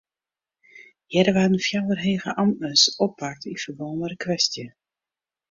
Earder waarden fjouwer hege amtners oppakt yn ferbân mei de kwestje.